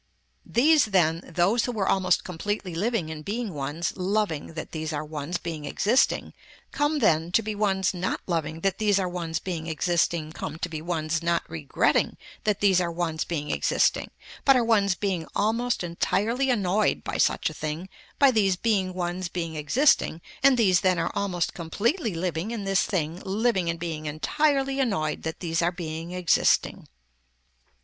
These then those who were almost completely living in being ones loving that these are ones being existing come then to be ones not loving that these are ones being existing come to be ones not regretting that these are ones being existing but are ones being almost entirely annoyed by such a thing by these being ones being existing and these then are almost completely living in this thing living in being entirely annoyed that these are being existing.